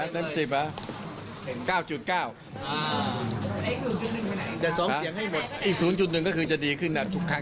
จะได้เป็นแรงจุงใจให้มาทานทุกวัน